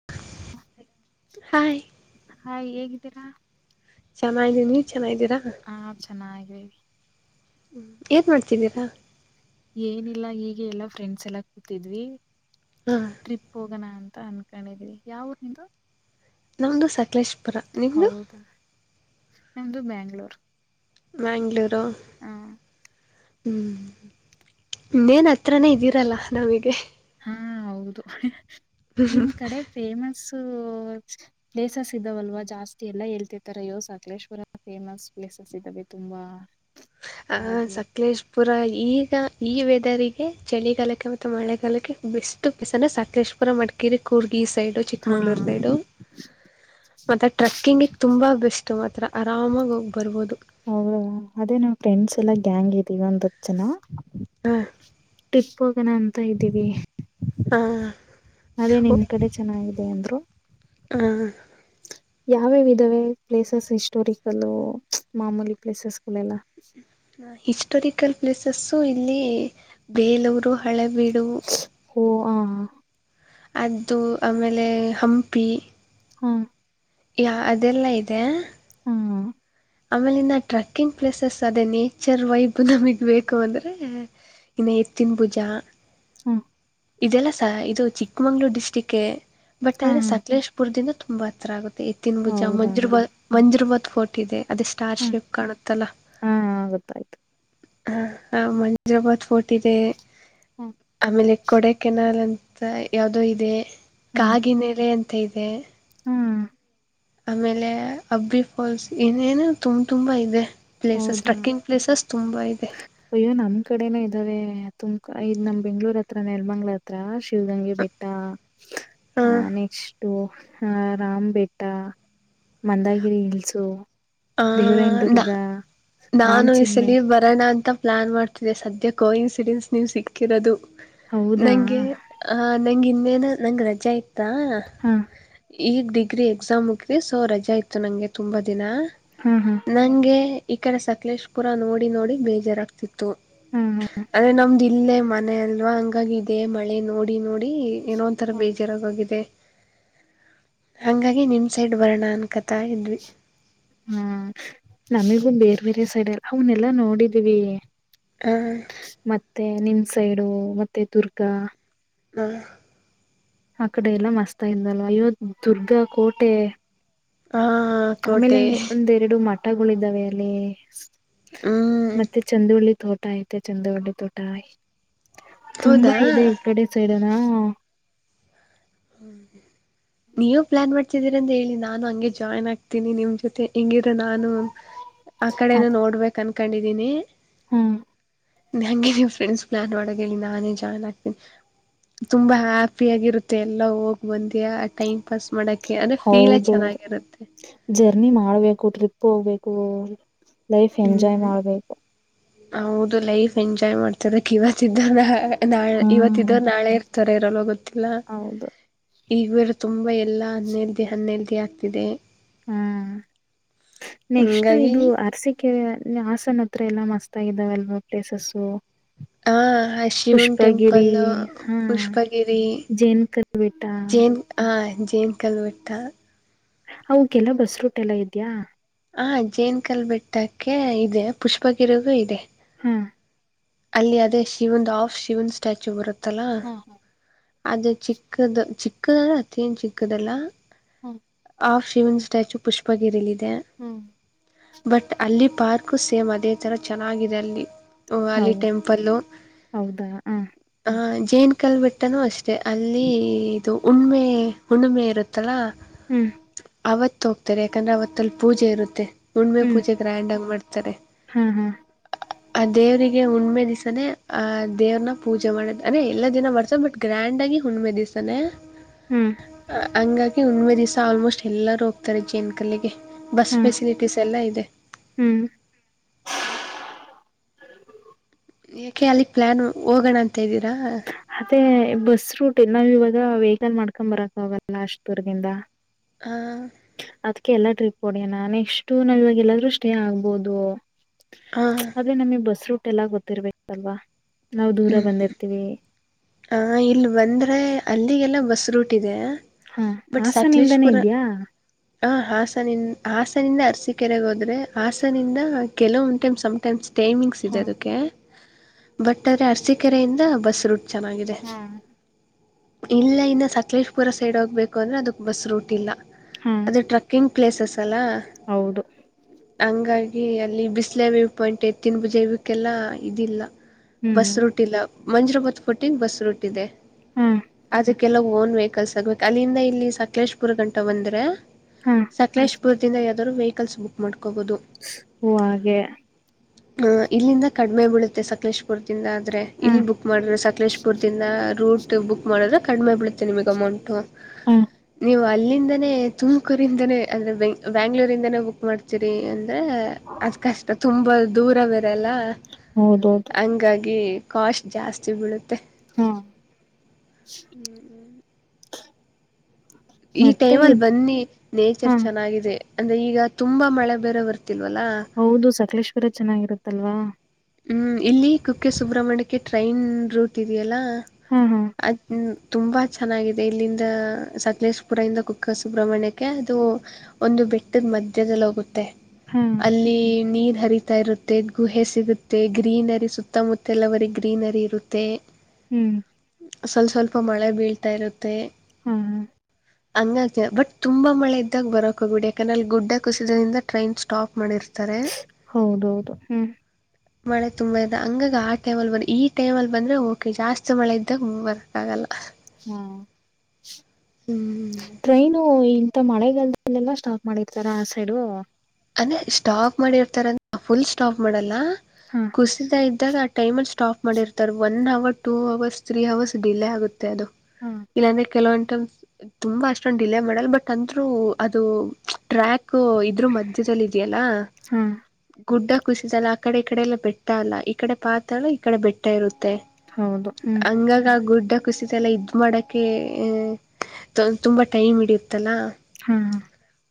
[inaudible] Hi hi ಹೇಗಿದ್ದೀರಾ ಚೆನ್ನಾಗಿನಿ ನೀ ಹಾ ಚೆನ್ನಾಗಿದಿವಿ ಹ್ಮ್ ಏನ್ ಮಾಡ್ತಿದ್ದೀರಾ ಏನಿಲ್ಲ ಹೀಗೆ ಎಲ್ಲಾ ಫ್ರೆಂಡ್ಸ್ ಎಲ್ಲ ಕೂತಿದ್ವಿ ಹಾ ಟ್ರಿಪ್ ಹೋಗಣ ಅಂ ತ ಅನ್ಕೊಂಡಿದೀವಿ ಯಾವ್ ಊರ್ ನಿಮ್ದು ನಮ್ದು ಸಕಲೇಶ್ಪುರ ನಿಮ್ದು ಹೌದಾ ನಮ್ದು ಬ್ಯಾಂಗ್ಳೂರ್ ಬ್ಯಾಗ್ಳೂರು ಹ ಹ್ಮ್ ಇನ್ನೇನ್ ಹತ್ರನೇ ಇದ್ದೀರಲ್ಲ ನಮಗೆ ಹಾ ಹೌದು ನಿಮ್ ಕಡೆ ಫೇಮಸ್ಸು ಪ್ಲೇಸಸ್ ಇದ್ದಾವಲ್ವಾ ಜಾಸ್ತಿ ಎಲ್ಲ ಹೇಳ್ತಿರ್ತ್ತಾರೆ ಅಯ್ಯೋ ಸಕಲೇಶ್ವರ ಫೇಮಸ್ ಪ್ಲೇಸಸ್ ಇದಾವೆ ತು ತುಂಬಾ ಆ ಹಾಗೆ ಸಕ್ಲೇಶ್ಪುರ ಈಗ ಈ ವೆದರ್ಗೆ ಚಳಿಗಾಲಕ್ಕೆ ಮತ್ತೆ ಮಳೆಗಾಲಕ್ಕೆ ಬೆಸ್ಟು ಪ್ಲೇಸ್ ಅಂದ್ರೆ ಸಕಲೇಶ್ಪುರ ಮಡಿಕೇರಿ ಕೂರ್ಗ್ ಈ ಸೈಡು ಹಾ ಚಿಕ್ಕಮಂಗ್ಳೂರ್ ಸೈಡು ಮತ್ತೆ ಟ್ರೆಕ್ಕಿಂಗ್ಗೆ ತುಂಬಾ ಬೆಸ್ಟ್ ಮತ್ ಹೌದ ಅದೇನು ಫ್ರೆಂಡ್ಸ್ ಎಲ್ಲ ಗ್ಯಾಂಗ್ ಇದೀವಿ ಹತ್ ಜನ ಟಿಸ್ಟ್ ಹೋಗೋಣ ಅಂತ ಇದ್ದೀವಿ ಹಾ ಅದೇ ನಿಮ್ ಕಡೆ ಚೆನ್ನಾಗಿದೆ ಅಂದ್ರು ಹ ಯಾವ್ಯವ್ ವಿಧವೇ ಪ್ಲೇಸಸ್ ಹಿಸ್ಟೋರಿಕಲ್ಲು ಮಾಮೂಲಿ ಪ್ಲೇಸಸ್ಗಳೆಲ್ಲ ಹಿಸ್ಟೊರಿಕಲ್ ಪ್ಲೇಸಸ್ಸು ಇಲ್ಲಿ ಬೇಲೂರು ಹಳೆಬೀಡು ಹು ಓ ಹಾ ಅದು ಆಮೇಲೆ ಹಂಪಿ ಹಾ ಅದೆಲ್ಲ ಇದೆ ಹ ಆಮೇಲೆ ಇನ್ನ ಟ್ರೆಕ್ಕಿಂಗ್ ಪ್ಲೇಸಸ್ ಅದೇ ನೇಚರ್ ವೈಬ್ ನಮಗ್ ಬೇಕು ಅಂದ್ರೆ ಇನ್ನ ಎತ್ತಿನ ಬುಜ ಹ್ಮ ಇದೆಲ್ಲ ಇದು ಚಿಕ್ಕಮಂಗ್ಳೂರ್ ಡಿಸ್ಟಿಕ್ ಬಟ್ ಹಾ ಆದ್ರೆ ಸಕಲೇಶಪುದಿಂದ ತುಂಬಾ ಹತ್ರ ಆಗುತ್ತೆ ಎತ್ತಿನ ಬುಜ ಹೌದಾ ಮುಜರಾಬಾದ್ ಮುಜರಾಬಾದ್ ಫೋರ್ಟ್ ಇದೆ ಅದು ಹ್ಮ ಸ್ಟಾರ್ಷೇಪ್ ಕಾಣುತ್ತಲ್ಲ ಹಾ ಗೊತ್ತಾಯ್ತು ಹ ಮಜರಾಬಾದ್ ಫೋರ್ಟ್ ಇದೆ ಹ ಆಮೇಲೆ ಕೊಡೆ ಕೆನಾಲ್ ಅಂತ ಯಾವ್ದೋ ಇದೆ ಹಾ ಕಾಗಿನೆಲೆ ಅಂತ ಇದೆ ಹಾ ಆಮೇಲೆ ಅಬ್ಬಿ ಫಾಲ್ಸ್ ಇನೇನು ತುಂಬ ತುಂಬಾ ಇದೆ ಪ್ಲೇಸಸ್ ಹೌದಾ ಟ್ರಕ್ಕಿಂಗ್ ಪ್ಲೇಸಸ್ ತುಂಬಾ ಇದೆ ಅಯ್ಯೋ ನಮ್ ಕಡೆನ ಇದ್ದಾವೆ ತುಮಕೂರು ನಮ್ ಬೆಂಗ್ಳೂರ್ ಹತ್ರ ನೆಲ್ಮಂಗ್ಳ ಹತ್ರ ಶಿವಗಂಗೆ ಬೆಟ್ಟ ಆ ಹಾಂ ನೆಕ್ಸ್ಟ್ ರಾಮ್ ಬೆಟ್ಟ ಮಂದಗಿರಿ ಹಿಲ್ಸು ಹ ದೇವರಾಯನ್ ದುರ್ಗ ನಾಮ ನಾನು ಈ ಚಿನ್ಮೆ ಸಲಿ ಬರೋಣ ಅಂತ ಪ್ಲಾ ಮಾಡ್ತಿದೆ ಸದ್ಯ ಕೋ ಇನ್ಸಿಡೆಂಟ್ಸ್ ನೀವು ಸಿಕ್ಕಿರೋದು ಹೌದಾ ನಂಗೆ ನಂಗೆ ಇನ್ನೇನು ನಂಗ ರಜೆ ಇತ್ತಾ ಹಾ ಈಗ ಡಿಗ್ರಿ ಎಕ್ಸಾಮ್ ಮುಕ್ವಿ ಸೊ ರಜೆ ಇತ್ತು ನಂಗೆ ತುಂಬ ದಿನ ಹಾ ಹಾ ನಂಗೆ ಈ ಕಡೆ ಸಕಲೇಶಪುರ ನೋಡಿ ನೋಡಿ ಬೇಜಾರಾಗಗ್ತಿತ್ತು ಹಾ ಹಾ ಅದ್ರ ನಮ್ದ ಇಲ್ಲೇ ಮನೆ ಅಲ್ವಾ ಹಂಗಾಗಿ ಇದೆ ಮಳೆ ನೋಡಿ ನೋಡಿ ಏನೋಂಥರ ಹಾ ಬೇಜಾರಾಗೋಗಿದೆ ಹಂಗಾಗಿ ನಿಮ ಸೈಡ್ ಬರೋಣ ಅನ್ಕತಾ ಇದ್ವಿ ಹ್ಮ ನಮಿಗು ಬೇರೆ ಬೇರೆ ಸೈಡ್ ಎಲ್ಲ ಅವನ್ನಲ್ಲಾ ನೋಡಿದೀವಿ ಹಾಂ ಮತ್ತೆ ನಿಮ್ ಸೈಡು ಮತ್ತೆ ದುರ್ಗಾ ಹ್ಮ ಆ ಕಡೆ ಎಲ್ಲ ಮಸ್ತುಗಿದ್ದವಲ್ವಾದಲ್ವಾ ಅಯ್ಯೋ ದುರ್ಗಾ ಕೋಟೆ ಹಾಂ ಆಮೇಲೆ ಕೋಟೆ ಒಂದೆರಡು ಮಠಗಳು ಇದಿದ್ದಾವೆ ಅಲ್ಲಿ ಹ್ಞೂ ಮತ್ತೆ ಚಂದುಳ್ಳಿ ತೋಟ ಐತೆ ಚಂದುವಳ್ಳಿ ತೋಟ ತುಂಬಾ ಹೌದಾ ಇದೆ ಈ ಕಡೆ ಸೈಡ್ [unintelligible] ಹ್ಮ ನೀವು ಪ್ಲಾನ್ ಮಾಡ್ತಿದ್ದೀರ ಅಂತ ಹೇಳಿ ನಾನು ಹಂಗೆ ಜಾಯ್ನ್ ಆಗ್ತೀನಿ ನಿಮ್ ಜೊತೆ ಹೆಂಗಿದರು ನಾನು ಆ ಕಡೆನ ನೋಡ್ಬೇಕ್ ಅನ್ಕೊಂಡಿದೀನಿ ಹ್ಮ್ ಹಗೆ ನಿಮ್ಮ ಫ್ರೆಂಡ್ಸ್ ಪ್ಲಾನ್ ಮಾಡಕೆ ಹೇಳಿ ನಾನೇ ಜಾಯ್ನ್ ಆಗ್ತೀನಿ ತುಂಬಾ ಹ್ಯಾಪಿ ಆಗಿರುತ್ತೆ ಎಲ್ಲ ಹೋಗ್ ಬಂದ್ಯಾ ಟೈಮ್ ಪಾಸ್ ಮಾಡಕ ಅಂದ್ರೆ ಫೀಲ್ ಹೌದೌದು ಚೆನ್ನಾಗಿರುತ್ತೆ ಜರ್ನಿ ಮಾಡ್ಬೇಕು ಟ್ರಿಪ್ ಹೋಗ್ಬೇಕು ಲೈಫ್ ಎಂಜಾಯ್ ಹ್ಞೂ ಮಾಡ್ಬೇಕು ಹೌದು ಲೈಫ್ ಎಂಜಾಯ್ ಮಾಡ್ತಿರಬೇಕು ಇವತ್ತ ಇದ್ದವನು ನಾಳೆ ಹ್ಮ್ ಇರ್ತಾರಾ ನಾಳೆ. ಇರುತರೋ ಇರಲ್ಲ ಗೊತ್ತಿಲ್ಲ ಹೌದು ಈಗ ತುಂಬಾ ಎಲ್ಲಾ ಆನ್ಎಲ್ಡಿ ಆನ್ಎಲ್ಡಿ ಆಗ್ತಿದೆ ಹಾ ನೆಕ್ಸ್ಟ್ ಹಂಗಾಗಿ ಇದು ಅರಸೀಕೆರೆ ಹಾಸನ ಹತ್ರ ಎಲ್ಲಾ ಮಸ್ತ್ ಆಗಿದಾವೆಲ್ವ ಪ್ಲೇಸಸು ಆ ಶಿವನ್ ಟೆಂಪಲ್ ಪುಷ್ಪಗಿರಿ ಜೇನ್ ಕಲ್ ಬೆಟ್ಟ ಜೇನುಕಲ್ಲು ಜೇನುಕಲ್ ಬೆಟ್ಟ ಅವುಕೆಲ್ಲ ಬಸ್ ರೂಟ್ ಎಲ್ಲ ಇದ್ಯಾ ಹ ಜೇನ್ ಕಲ್ ಬೆಟ್ಟಕ್ಕೆ ಇದೆ ಪುಷ್ಪಗಿರಿಗೂ ಇದೆ ಹ್ಮ ಅಲ್ಲಿ ಅದೇ ಶಿವನ್ ಆಫ್ ಶಿವನ್ ಸ್ಟ್ಯಾಚು ಬರುತ್ತಲಾ ಹಾ ಹಾ ಅದು ಚಿಕ್ಕದು ಚಿಕ್ಕದಂದ್ರೆ ಅತಿಹೇನು ಚಿಕ್ಕದಲ್ಲ ಹ್ಮ ಆ ಶಿವನ್ ಸ್ಟ್ಯಾಚು ಪುಸ್ಪ ಗೀರಿಲಿದೆ. ಹ್ಮ್ ಬಟ್ ಅಲ್ಲಿ ಪಾರ್ಕು ಸೇಮ್ ಅದೇ ತರ ಚೆನ್ನಾಗಿದೆ ಅಲ್ಲಿ ವೋ ಹೌ ಅಲ್ಲಿ. ಟೆಂಪಲ್ಲ ಹೌದಾ ಹ ಹ್ ಜೈನ್ ಕಲ್ ಬೆಟ್ಟನು ಅಷ್ಟೇ ಸ್ಟೆ ಅಲ್ಲಿ ಇದು ಉುಣ್ಮೆ ಹುಣ್ಣಿಮೆ ಇರುತ್ತಲ್ಲ. ಹ್ಮ್ ಅವತ್ ಹೋಗ್ತಾರೆ ಯಾಕಂದ್ರ ಅವತ್ತಲ್ಲಿ ಪೂಜೆ ಇರುತ್ತೆ. ಹುಣ್ಮೆ ಹ್ಮ್ ಪೂಜೆ ಗ್ರ್ಯಾಂಡಾಗ ಮಾಡ್ತಾರೆ ಹಾ ಹಾ ಆ ದೇವರಿಗೆ ಹುಣ ಹುಣ್ಮೆ ದಿವಸನೆ ಅ ದೇವ್ರನ್ ಪೂಜೆ ಮಾಡದ ಅದೇ ಎಲ್ಲ ದಿನ ಮಾಡ್ತದ ಬಟ್ ಗ್ರ್ಯಾಂಡಾಗಿ ಹುಣ್ಣ್ಮೆ ದಿವಸನೆ. ಹ್ಮ್ ಅ ಹಂಗಾಗಿ ಹುಣ್ಣ್ಮೇ ದಿವಸಾ ಆಲ್ಮೋಸ್ಟ್ ಎಲ್ಲರ ರ್ ಹೋಗ್ತಾರೆ ಜೇನ ಕಲ್ಲಿಗೆ ಬಸ್ ಹಾ ಫೆಸಿಲಿಟೀಸ್ ಎಲ್ಲ ಇದೆ. ಹ್ಮ್ ಏಕೆ ಅಲ್ಲಿಗ ಪ್ಲ್ಯಾನು ಹೋಗೋಣ ಅಂತ ಇದ್ದೀರಾ ಅದೇ ಬಸ್ ರೂಟ್ ನಾವ್ ಇವಾಗ ವೆಕಲ್ ಮಾಡ್ಕೊಮ್ಬರಕ್ ಆಗಲ್ಲ ಅಷ್ಟ ದೂರ್ದಿಂದ. ಹ ಎಲ್ಲ ಟ್ರಿಪ್ ಹೊಡ್ಯಣ ನೆಕ್ಷ್ಟು ನಾ ಇವಾಗ ಎಲ್ಲಾದ್ರೂ ಸ್ಟೇ ಆಗ್ಬೋದು. ಆ ಆದ್ರೆ ನಮಗೆ ಬಸ್ ರೂಟ್ ಎಲ್ಲಾ ಗೊತ್ತಿರ್ಬೇಕಲ್ವಾ ನಾವು ದೂರ ಬಂದಿರ್ತಿವಿ. ಹ ಇಲ್ಲ ಬಂದ್ರೆ ಅಲ್ಲಿಗೆಲ್ಲ ಬಸ್ ರೂಟ್ ಇದೆ. ಹಾ ಹಾಸನಿಂದನೇ ಇದ್ಯಾ ಹ ಹಾಸನಿ ಹಾಸನಿಂದ ಅರಸಿಕೆರೆಗೆ ಹೋದ್ರೆ ಹಾಸನಿಂದ ಕೆಲವೊಂದ ಟೈಮ್ ಸಮ್ಟೈಮ್ಸ್. ಟೈಮಿಂಗ್ಸ್ ಇದೆ ಹಾ ಅದಕ್ಕೆ ಬಟ್ ಆದ್ರೆ ಅರಸಿ ಕೆರೆಯಿಂದ ಬಸ್ ರುಟ್. ಚೆನ್ನಾಗಿದೆ. ಹಾ ಇಲ್ಲ ಇನ್ನ ಸಕಲೇಶ್ಪುರ ಸೈಡ್ ಹೋಗ್ಬೇಕು ಅಂದ್ರೆ ಅದಕ ಬಸ್ ರೂಟ್ ಇಲ್ಲ ಹಾ ಅದು ಟ್ರಕ್ಕಿಂಗ್. ಪ್ಲೇಸಸ್ ಅಲ್ಲ ಹೌದು ಹಂಗಾಗಿ. ಏ ಅಲ್ಲಿ ಬಿಸಲೆ ವ್ಯ್ ಪಾಯಿಂಟ್ ಎತ್ತಿನ್ ಜೈವಕ್ಕೆಲ್ಲಾ ಇದಿಲ್ಲ ಹ್ಮ್ ಬಸ್ ರೂಟ್ ಇಲ್ಲ. ಮಂಜ್ರಬತ್ ಕೊಟ್ಟಿಗ ಬಸ್ ರೂಟಿದೆ ಹ್ಮ್ ಆದ್ರ ಕೆಲವು. ಓನ್ ವೆಕಲ್ಸ್ ಆಗ್ಬೇಕು ಅಲ್ಲಿಂದ ಇಲ್ಲಿ ಸಕಲೇಶ್ಪುರ್ ಗಂಟ ಬಂದ್ರೆ ಹಾ ಸಕಲೇಶ್ ಪುರದಿಂದ ಯಾವ್ದ್ರ ವೆಕಲ್ಸ್ ಬುಕ್ ಮಾಡ ಓ ಹಾಗೆ. ಹ್ಮ್ಮ್ ಇಲ್ಲಿಂದ ಕಡಿಮೆ ಬೀಳುತ್ತೆ ಸಕಲೇಶ್ಪುರದಿಂದ ಆದ್ರೆ ಹಾ ಇಲ್ಲಿ ಬುಕ್ ಮಾಡ್ರ ಸ ಕಲೇಶಪುರ್ದಿಂದ ರೂಟ್ ಬುಕ್ ಮಾಡಿದ್ರೆ ಕಡಿಮೆ ಬಿಳುತ್ತೆ ನಿಮಗ್ ಅಮೌಂಟು ಹಾ ನೀವು ಅಲ್ಲಿ ಲ್ಲಿಂದಾನೇ ತುಮಕೂರಿಂದಾನೇ ಅಂದ್ರೆ ಬೆ ಬ್ಯಾಂಗ್ಳೂರಿಂದಾನೇ ಬುಕ್ ಮಾಡ್ತೀರಿ ಅಂದ್ರೆ ಅದ. ಕಷ್ಟ ತುಂಬಾ ದೂರವ ವೆಲ್ಲ ಹೌದೌದು ಹಂಗಾಗಿ ಕಾಸ್ಟ್ ಜಾಸ್ತಿ ಬಿಳುತ್ತ ಹಾ ಈ ಮತ್ತೆ ಟೈಮಲ್ಲಿ ಇದ್ ಬನ್ನಿ ನೇಚರ್ ಹಾ ಚೆನ್ನಾಗಿದೆ ಅಂದ್ರೆ ಈಗ ತುಂಬಾ ಮಳೆ ಬೇರೆ ಬರ್ತ ಹೌದು ಸಕಲೇಶ್ಪುರ ಚೆನ್ನಾಗಿರುತ್ತಲ್ವಾ. ಹ್ಮ್ಮ್ ಇಲ್ಲಿ ಕುಕ್ಕೆ ಸುಬ್ರ್ಮಣ್ಯಕ್ಕೆ ಟ್ರೈನ್ ರೂಟ್ ಇದೆಯಲ್ಲ ಹಾ ಹಾ ಅದನ ತುಂಬಾ ಚೆನ್ನಾಗಿದೆ ಇಲ್ಲಿಂದ ಸಕ್ಲೇಶ್ಪುರ ಇಂದ ಕುಕ್ಕೆ ಸುಬ್ರಹ್ಮಣ್ಯಕ್ಕೆ ಅದು ಒಂದು. ಬೇಟ್ಟದ ಮಧ್ಯದಲ್ಲಿ ಹೋಗುತ್ತೆ ಹಾ ಅಲ್ಲಿ ನೀರ್ ಹರಿತಾ ಇರುತ್ತೆ ಗುಹೆ ಸಿಗು ತ್ತೇ ಗ್ರೀನರಿ ಸುತ್ತಮುತ್ತ ಎಲ್ಲ ಬರಿ ಗ್ರೀನರಿ ಇರುತ್ತೆ. ಹ್ಮ್ ಸ್ವಲ್ ಸ್ವಲ್ಪ ಮಳೆ ಬೀಳ್ತಾ ಇರುತ್ತೆ. ಹ್ಮ ಹಂಗಾಗಿ ಬಟ್ ತುಂಬಾ ಮಳೆ ಇದ್ದಾಗ ಬರಕ್ ಹೋಬೇಡಿ ಯಾಕಂದ್ರೆ ಅಲ್ಲಿ ಗುಡ್ಡ ಕುಸಿದ್ರಿಂದ ಟ್ರೈನ್ ಸ್ಟಾಪ್ ಮಾಡಿರ್ತ ಹೌದೌದು ಹ್ಮ್ ಮಳೆ ತುಂಬಾ ಇದೆ ಹಂಗಾಗ ಆ ಟೈಮಲ್ ಬನ್ನಿ ಈ ಟೈಮಲ್ ಬಂದ್ರೆ ಓಕೆ ಜಾಸ್ತಿ ಮಳೆ ಇದ್ದಾಗ ಹ್ಮ್ಮ್ ಬರಕ್ ಆಗಲ್ಲ. ಹ್ಮ್ಮ್ ಟ್ರೈನು ಹಿಂತಾ ಮಳೆಗಾಲದಲ್ಲೆಲ್ಲ ಸ್ಟಾಪ ಮಾಡಿರ್ತಾರ ಆ ಸೈಡು. ಅಂದೇ ಸ್ಟಾಪ ಮಾಡಿರ್ತಾರಂದ ಫುಲ್ ಸ್ಟಾಪ್ ಮಾಡಲ್ಲ. ಹಾ ಕುಸಿತಾ ಇದ್ದಾಗ ಆ ಟೈಮಲ್ಲಿ ಸ್ಟಾಪ್ ಮಾಡಿರ್ತಾರೆ one hour two hours three hours delay ಆಗುತ್ತೆ ಅದು ಹಾ ಇಲ್ಲಾಂದ್ರೆ ಕೆಲವೊ ುಾ ಅ ಡಿಲೇ ಮಾಡ ಬಟ್ ಅ ಅದು ಟ್ರ್ಯಾಕ್ ಇದೆಯಲ್ಲಾ ಹಾ ಗುಡ್ಡ ಖುಷಿಸ ಅಲ್ಲ ಆ ಕಡೆ ಈ ಕಡೆ ಎಲ್ಲ ಬೆಟ್ಟ ಅಲ್ಲ ಈ ಕಡೆ ಪಾತ್ರಲ್ಲ ಈ ಕಡೆ ಬೆಟ್ಟ ಇರುತ್ತೆ ಹೌದು ಮ ಹ್ಮ್ ಹಂಗಾಗ ಗುಡ್ಡ ಕುಸಿತ ಎಲ್ಲ ಇದ್ ಮಾಡಕೆ ತುಂಬಾ ಟೈಮ್ ಹಡಿಯತ್ತಲ್ಲ ಹಾ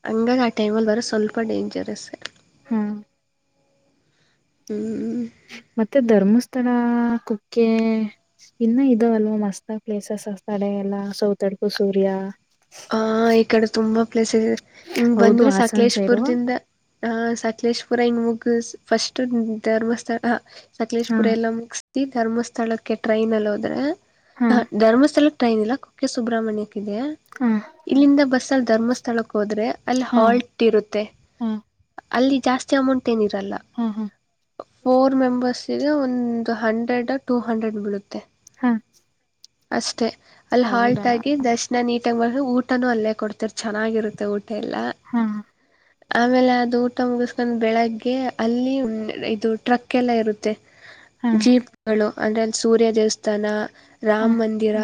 ಹಂಗಾಗಿ ಆ ಟೈಮಲ್ಲಿ ಬರೋ ಸ್ವಲ್ಪ ಡೇಂಜರಸ್ ಹಾ ಹ್ಮ್ ಮತ್ತೆ ಧರ್ಮಸ್ಥ ತ್ತಡ ಕುಕ್ಕೆ ಇನ್ನ ಇದ ಅಲ್ವಾ ಮಸ್ತ ಪ್ಲೇಸಸ್ ತಡೆ ಎಲ್ಲ ಸೌತಡ ಹಡ್ೂ ಸೂಾ ಲ ಹಂಗ ಹೌದು ಬಂದ್ರರು ಹಾಸನ್ ಸೈಡು ಸಕಲೇಶ್ಪುರ್ದಿಂದ ಹಾ ಸಕ್ಲೇಶ್ ಪುರ ಹೆಂಗ್ ಮುಗ ಫಸ್ಟ್ ಧರ್ಮಸ್ಥಳ ಸಕ್ಲೇಶ್ ಹಾ ಪುರ ಎಲ್ಲ ಮುಗ ಧರ್ಮಸ್ಥಳಕ್ಕೆ ಟ್ರೈನ್ ಅಲ್ಲಿ ಹೋದ್ರೆ ಹಾ ಧರ್ಮಸ್ಥಳ ೈನ್ ಇಲ್ಲ ಕುಕ್ಕೆ ಸುಬ್ರಮಣ್ಯಕ್ ಇದೆ ಹಾ ಇಲ್ಲಿಂದ ಬಸ್ ಅಲ್ಲಿ ಧರ್ಮಸ್ಥಳ ಹೋದ್ರೆ ಅಲ್ಲಿ ಹಾ ಹಾಲ್ಟ್ ಇರುತ್ತೆ ಹಾ ಅಲ್ಲಿ ಜಾಸ್ತಿ ಅಮೌಂಟ್ ನಿರಲ್ಲ ಹಾ ಹಾ ಫೋರ್ ಮೆಂಬರ್ಸ್ ಒಂದು ಹಂಡ್ರೆಡ್ ಟೂ ಹಂಡ್ರೆಡ್ ಬೀಳುತ್ತೆ ಹ ಅಷ್ಟೇ ಅಲ್ಲಿ ಹಾಲ್ಟ್ ಆಗಿ ದರ್ಶನ ನೀ ಊಟನುೂ ಅಲ್ಲೇ ಕೊಡ್ತರ್ ಚೆನ್ನಾಗಿರುತ್ತೆ ಊಟ ಎಲ್ಲ ಹಾ ಆಮೇಲೆ ಅದು ಊಟ ಮುಗಿಸಕೊಂಡ್ ಬೆಳಗ್ಗೆ ಅಲ್ಲಿ ಇದು ಟ್ರಕ್ ಎಲ್ಲ ಇರುತ್ತೆ ಹಾ ಜೀಪ್ಗಳು ಅಂದ್ರ ಅಲ್ಲಿ ಸೂರ್ಯ ದೇವಸ್ಥಾನ ಹಾ ರಾಮ್ ಮಂದಿರ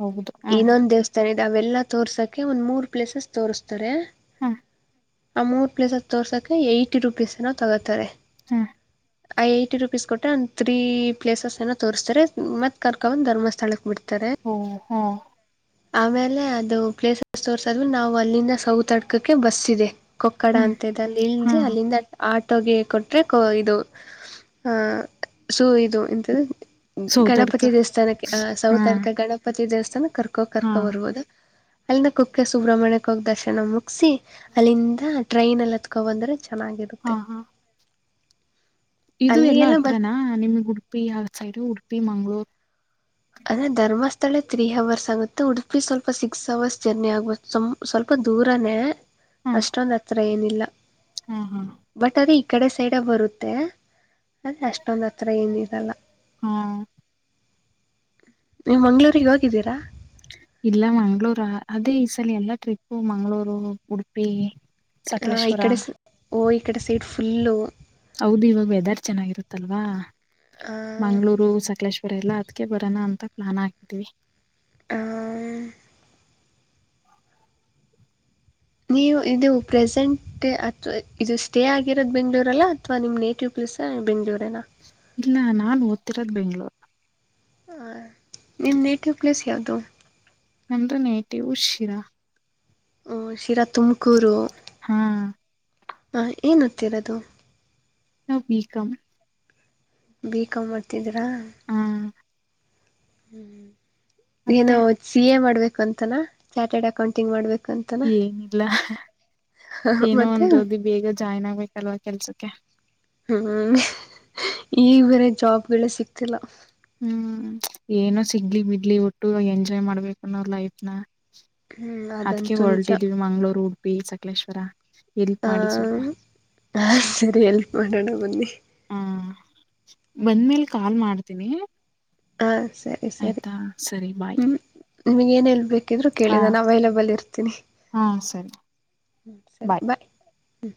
ಹೌದು ಹ ಇನ್ನೊಂದ ದೇವಸ್ಥಾನ ಇದೆ ಅವೆಲ್ಲಾ ತೋರ್ಸಕ್ಕೆೆ ಒಂದ್ ಮೂರ್ ಪ್ಲೇಸಸ್ ತೋರ್ಸ್ತಾರೆ ಹಾ ಆ ಮೂರ್ ಪ್ಲೇಸ ತೋರ್ಸಕ ಏಟಿ ರುಪೀಸ್ ನ ತಗೋತಾರೆ ಹಾ ಅ ಏಟಿ ರುಪೀಸ್ ಕೊಟ್ಟ್ರ ಒಂದ ತ್ರೀ ಪ್ಲೇಸಸ್ ಎನ ತೋರಿಸಸ್ತಾರೆ ಮತ್ ಕರ್ಕೊಂಡಂದ ಧರ್ಮಸ್ಥಳಕ್ ಬಿಡ್ತಾರೆ ಹ್ಮ ಹಾ ಆಮೇಲೆ ಅದು ಪ್ಲೇಸಸ್ ತೋರ್ಸಾದ್ ನಾವು ಅಲ್ಲಿಂದ ಸೌತ್ ಹಡ್ಕಕ್ಕೆ ಬಸ್ ಇದೆ ಕೊಕ್ಕಡ ಹ್ಮ್ ಅಂತ ಇದಲ್ಲಿ ಇಳ್ದ ಹಾ ಅಲ್ಲಿಂದ ಆ ತಗ ಕೊಟ್ರೆ ಇದು ಸ ಇ ಸೌದಡ್ಕ ಗಣಪತಿ ದೇವಸ್ಥಾನಕ್ಕೆ ಹಾ ಸೌತರ್ಕ ಗಣಪತಿ ದೇವಸ್ಥಾನ ಕರ್ಕೋ ಹಾ ಕರ್ಕೋ ಬರ್ಬಹದು ಅಲ್ಲಿಂದ ಕುಕ್ಕೆ ಸುಬ್ರಹ್ಮಣ್ಯಕ್ಕೆ ಹೋಗ ದರ್ಶನ ಮುಟ್ಟ ಅಲ್ಲಿಂದ ಟ್ರೈನ್ ಅಲ್ಲಿ ಹತ್ಕೊ ಬಂದ್ರೆ ಹಾ ಚೆನ್ನಾಗಿರುತ್ತೆ ಹಾ ಇದು ಎಲ್ಲ ಅಲ್ಲಿಗೆಲ್ಲ ಬತ್ ಹತ್ರನಾ ನಿಮಗ್ ಉಡುಪಿ ಆ ಸೈಡು ಉಡುಪಿ ಮಂಗ್ಗಳೂರ್ ಅದ ಧರ್ಮಸ್ಥ ತ್ತಳೆ ತ್ರೀ ಅವರ್ಸ್ ಆಗುತ್ತೆ ಉಡುಪಿ ಸ್ವಲ್ಪ ಸಿಕ್ಸ್ ಅವರ್ಸ್ ಜರ್ನಿ ಆಗುತ್ತ ಸ್ವಲ್ಪ ದೂರನೇ ಹ ಅಷ್ಟೊಂದ್ ಹತ್ರ ಏನಿಲ್ಲ ಹ ಹ ಬಟ್ ಅದೇ ಈ ಕಡೆ ಸೈಡೆ ಬರುತ್ತೆ ಅದೆ ಅಷ್ಟೊಂದ ಹತ್ರ ಏನಿರಲ್ಲ ಹಾ ನೀವು ಮಂಗ್ಗಳೂರಿಗೆ ಹೋಗಿದ್ದೀರಾ ಇಲ್ಲ ಮಂಗ್ಳೂರು ಅದೇ ಈ ಸಲ ಎಲ್ಲಾ ಟ್ರಿಪ್ಪು ಮಂಗ್ಗಳೂರು ಉಡುಪಿ ಹ ಸಕಲೇಶ್ವರ ಇಡೆ ಓ ಇಕಡೆ ಸೀಟ್ ಫುಲ್ಲು ಹೌದು ಇವಾಗ ವೆದರ್ ಚೆನ್ನಾಗಿರುತ್ತಲ್ವಾ ಮಂಗ್ಗಳೂರು ಸಕಲೇಶ್ ಬರಲ್ಲಾ ಅದ್ಕ್ಕೆ ಬರೋಣ ಅಂತ ಪ್ಲಾನ್ ಹಾಕಿದೀವಿ ಆ ನೀವು ಇದು ಪ್ರೆಸೆಂಟ್ ಅಥವಾ ಇದು ಸ್ಟೇ ಆಗಿರೋದ್ ಬೆಂಗ್ಗಳೂರಲ್ಲ ಅಥವಾ ನಿಮ್ ನೇಟಿವ್ ಪ್ ದಿಸಾ ಬೆಂಗಳೂರನ ಏನ ಇಲ್ಲ ನಾನ್ ಓದ್ತಿರೋದ್ ಬೆಂಗ್ಳೂರು ಹ ನಿಮ್ಮ ನೇಟ್ ಪ್ಲೇಸ್ ಯಾವುದು ನಂದ ನೇಟಿ ಉಷಿರಾ ಹ್ಮ ಶಿರಾ ತುಮಕೂರು ಹಾ ಹ ಏನ ಓತ್ತಿರೋದು ನಾವು ಬಿ ಕಾಮ ಬೀಕಮ್ ಮಾಡರ್ತಿದ್ರಾ ಹ ಹ್ಮ ಮತ್ತೆ ಏನೋ ಸಿ ಎ ಮಾಡ್ಬೇಕು ಅಂತನಾ ಚಾರ್ಟೆಡ್ ಅಕೌಂಟಿಂಗ್ ಮಾಡ್ಬೇಕ ಏನ ಇಲ್ಲ ಏನೋ ಮತ್ತು ಒಂದು ಅದು ಬೇಗ ಜಾಯ್ನ್ ಆಗ್ಬೇಕಲ್ವಾ ಕೆಲ್ಸಕ್ಕೆ ಈ ಬೇರೆ ಜಾಬ್ ಗಳ ಸಿಕ್ತಿಲ್ಲ ಹ್ಮ್ ಏನೋ ಸಿಗ್ಲಿ ಬಿಡ್ಲಿ ಒಟ್ಟು ಎಂಜಾಯ್ ಮಾಡ್ಬೇಕು ನೋ ಲೈಫ್ನ ಹ್ಞೂ ಅದ್ಕ ಅದಂತೂ ನಿಜ ಹೊರಟಿದ್ವಿ ಮಂಗಗಳೂರು ಉಡುಪಿ ಸಕಲೇಶ್ವರ ಎಲ್ಪ್ ಮಾಡಿ ಸ್ವಲ್ಪ ಹಾ ಸರಿ ಎಲ್ಪ್ ಮಾಡೋಣ ಬನ್ನಿ ಹಾ ಬಂದ್ಮೇಲೆ ಕಾಲ್ ಮಾಡ್ತೀನಿ ಹಾ ಆಯ್ತಾ ಸರಿ ಬಾಯ್ ನಿಮಗ ಏನ ಇಲ್ ಬೇಕಿದ್ರು ಕೇಳಿ ಹಾ ನಾನು ಅವೈಲಬಲ್ ಇರ್ತೀನಿ ಹಾ ಸರಿ ಹ ಸರಿ ಬಾಯ್ ಹ